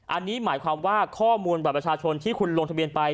อันนี้หมายความว่าข้อมูลบัตรประชาชนที่คุณลงทะเบียนไป